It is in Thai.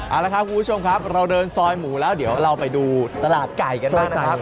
เอาละครับคุณผู้ชมครับเราเดินซอยหมูแล้วเดี๋ยวเราไปดูตลาดไก่กันบ้างนะครับ